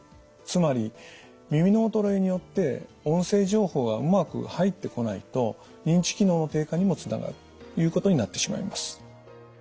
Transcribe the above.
つまり耳の衰えによって音声情報がうまく入ってこないと認知機能の低下にもつながるということになってしまいます。